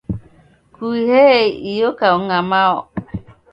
Kuhee iyo kaung'a Mao!